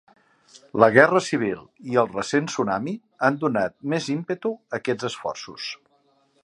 La guerra civil i el recent tsunami han donat més ímpetu a aquests esforços.